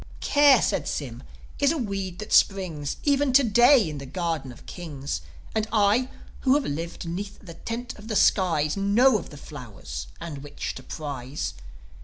.." "Care," said Sym, "is a weed that springs Even to day in the gardens of kings. And I, who have lived 'neath the tent of the skies, Know of the flowers, and which to prize